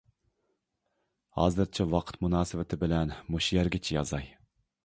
ھازىرچە ۋاقىت مۇناسىۋىتى بىلەن مۇشۇ يەرگىچە يازاي.